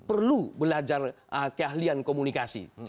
perlu belajar keahlian komunikasi